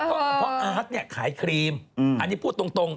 เพราะอาร์ตเนี่ยขายครีมอันนี้พูดตรง